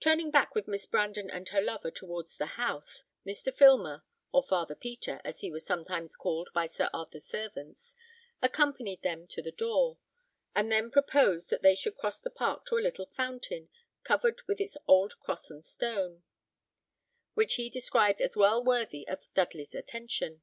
Turning back with Miss Brandon and her lover towards the house, Mr. Filmer, or Father Peter, as he was sometimes called by Sir Arthur's servants, accompanied them to the door, and then proposed that they should cross the park to a little fountain, covered with its old cross and stone, which he described as well worthy of Dudley's attention.